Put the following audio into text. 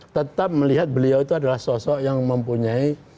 tetap melihat beliau itu adalah sosok yang mempunyai